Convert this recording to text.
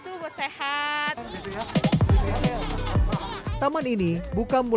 dari tempat pengembaraan di wilayah anjibar